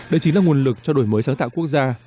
đây chính là nguồn lực cho đổi mới sáng tạo quốc gia